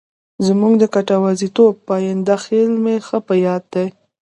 زموږ د کټواز ټوټ پاینده خېل مې ښه په یاد دی.